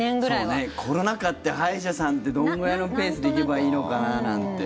そうね、コロナ禍って歯医者さんってどのぐらいのペースで行けばいいのかななんて。